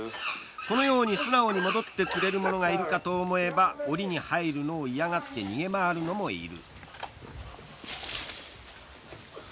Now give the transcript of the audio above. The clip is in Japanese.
このように素直に戻ってくれるものがいるかと思えばおりに入るのを嫌がって逃げ回るものもいる。